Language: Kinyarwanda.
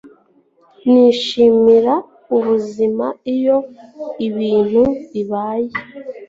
Nishimira ubuzima iyo ibintu bibaye.